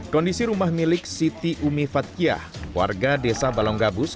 kondisi rumah milik siti umi fadkiah warga desa balonggabus